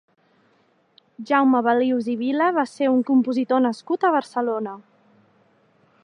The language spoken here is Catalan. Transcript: Jaume Balius i Vila va ser un compositor nascut a Barcelona.